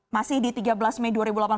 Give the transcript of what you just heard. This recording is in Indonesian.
masih di tiga belas mei dua ribu delapan belas